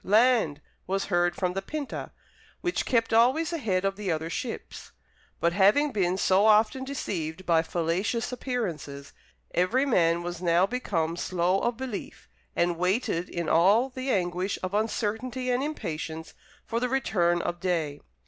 Land!" was heard from the Pinta, which kept always ahead of the other ships. But, having been so often deceived by fallacious appearances, every man was now become slow of belief, and waited in all the anguish of uncertainty and impatience for the return of day.